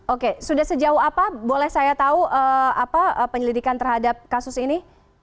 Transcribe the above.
oke sudah sejauh apa boleh saya tahu penyelidikan terhadap kasus ini